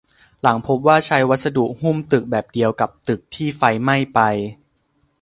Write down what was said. หลังพบว่าใช้วัสดุหุ้มตึกแบบเดียวกับตึกที่ไฟไหม้ไป